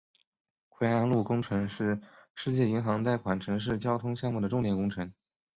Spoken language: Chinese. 槐安路工程是世界银行贷款城市交通项目的重点工程。